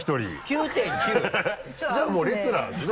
９．９？じゃあもうレスラーですね。